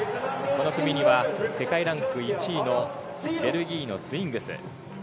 この組には世界ランク１位のベルギーのスウィングス。